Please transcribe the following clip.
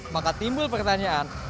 maka timbul pertanyaan